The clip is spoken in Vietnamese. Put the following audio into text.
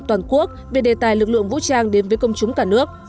toàn quốc về đề tài lực lượng vũ trang đến với công chúng cả nước